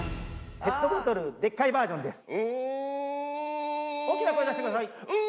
ペットボトル、でっかいバージョおー。